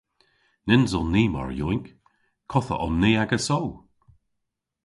Nyns on ni mar yowynk! Kottha on ni agesso!